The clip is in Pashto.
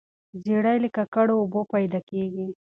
زیړی له ککړو اوبو پیدا کیږي.